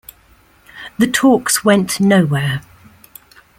The talks went nowhere.